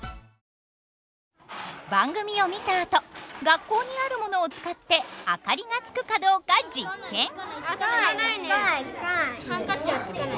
番組を見たあと学校にあるものを使ってあかりがつくかどうか実験！